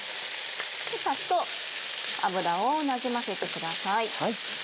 サッと油をなじませてください。